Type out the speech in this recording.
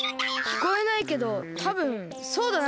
きこえないけどたぶんそうだな。